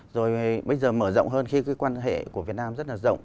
rồi bây giờ mở rộng hơn khi cái quan hệ của việt nam rất là rộng